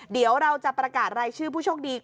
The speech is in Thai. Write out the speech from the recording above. เดี๋ยวเราจะประกาศรายชื่อผู้โชคดี